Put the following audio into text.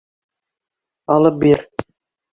Алып бир!